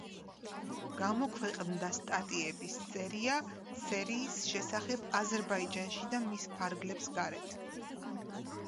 გამოქვეყნდა სტატიების სერია სერიის შესახებ აზერბაიჯანში და მის ფარგლებს გარეთ.